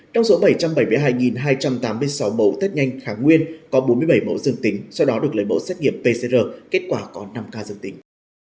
trong số bảy trăm bảy mươi hai hai trăm tám mươi sáu mẫu test nhanh kháng nguyên có bốn mươi bảy mẫu dương tính sau đó được lấy mẫu xét nghiệm pcr kết quả có năm ca dương tính